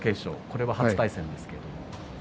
これは初対戦です。